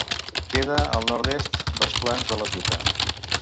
Queda al nord-est dels Plans de la Tuta.